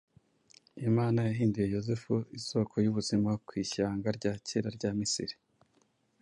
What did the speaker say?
Imana yahinduye Yozefu isoko y’ubuzima ku ishyanga rya kera rya Misiri.